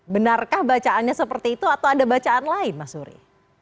benarkah bacaannya seperti itu atau ada bacaan lain mas suri